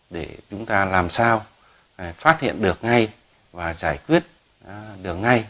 để chúng ta làm sao phát hiện được ngay và giải quyết được ngay